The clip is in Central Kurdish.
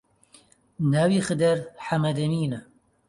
ناوی خدر حەمەدەمینە